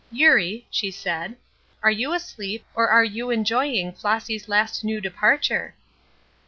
"Eurie," she said, "are you asleep, or are you enjoying Flossy's last new departure?"